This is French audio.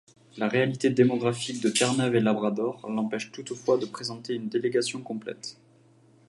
La réalité démographique de Terre-Neuve-et-Labrador l'empêche toutefois de présenter une délégation complète.